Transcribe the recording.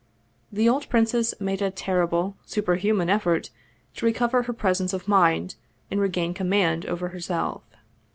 The old princess made a terrible, superhuman effort to re cover her presence of mind and regain command over her self.